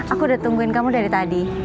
aku udah tungguin kamu dari tadi